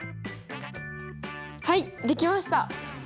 はいできました。